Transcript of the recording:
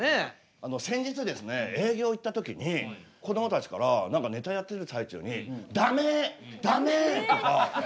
あの先日ですね営業行った時にこどもたちから何かネタやってる最中に「ダメ！ダメ！」とか。